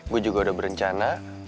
gue juga udah berencana